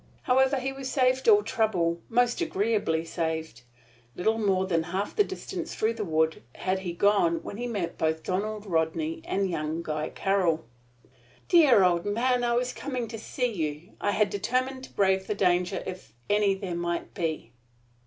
However he was saved all trouble most agreeably saved. Little more than half the distance through the wood had he gone when he met both Donald Rodney and young Guy Carroll. "Dear old man! I was coming to see you. I had determined to brave the danger, if any there might be."